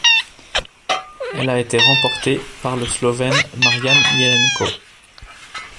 Elle a été remportée par le slovène Marjan Jelenko.